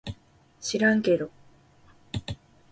しらんけど